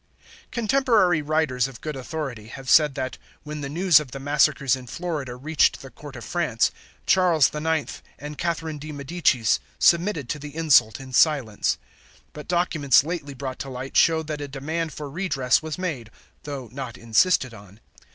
Contemporary writers of good authority have said that, when the news of the massacres in Florida reached the court of France, Charles the Ninth and Catherine de Medicis submitted to the insult in silence; but documents lately brought to light show that a demand for redress was made, though not insisted on.